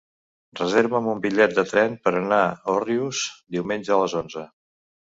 Reserva'm un bitllet de tren per anar a Òrrius diumenge a les onze.